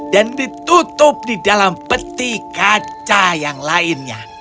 dan ditutup di dalam peti kaca yang lainnya